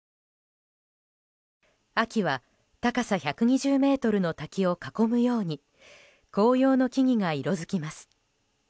秋は高さ１２０ｍの滝を囲むように紅葉の木々が色づきます。